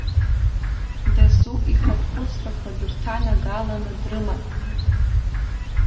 Дасу ихатә хәыцрақәа дырҭанагаланы дрыман.